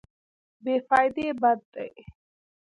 بې فایده بد دی.